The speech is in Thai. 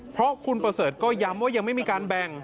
เพราะคุณประเสริฐก็ย้ำว่ายังไม่มีการแบ่ง